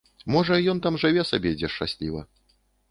Можа, ён там жыве сабе дзе шчасліва.